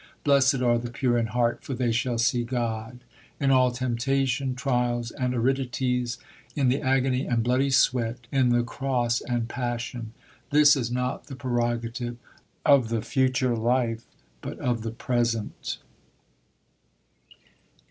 Blessed are the pure in heart: for they shall see God in all temptation, trials, and aridities, in the agony and bloody sweat, in the Cross and Passion: this is not the prerogative of the future life, but of the present."